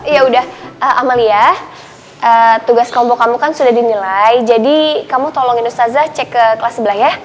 yaudah amalia tugas kombo kamu kan sudah dinilai jadi kamu tolongin ustadzah cek ke kelas sebelah ya